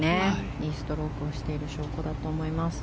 いいストロークをしている証拠だと思います。